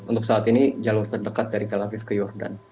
untuk saat ini jalur terdekat dari tel aviv ke jordan